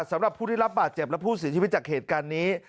สำหรับผู้ได้รับบาดเจ็บและผู้เสียชีวิตจากเหตุการณ์นี้